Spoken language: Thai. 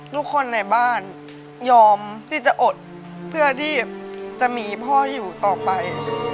ทุกคนในบ้านยอมที่จะอดเพื่อที่จะมีพ่ออยู่ต่อไป